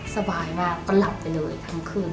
สบายมากก็หลับไปเลยทั้งคืน